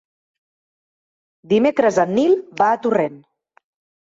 Dimecres en Nil va a Torrent.